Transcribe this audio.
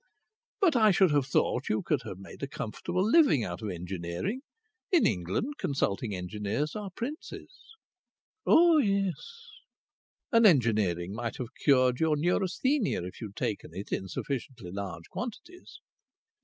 "But I should have thought you could have made a comfortable living out of engineering. In England consulting engineers are princes." "Oh yes!" "And engineering might have cured your neurasthenia, if you had taken it in sufficiently large quantities."